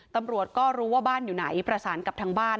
ตำรวจก็รู้ว่าบ้านอยู่ไหนประสานกับทางบ้าน